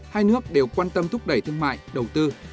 hai nước đều quan tâm thúc đẩy thương mại đầu tư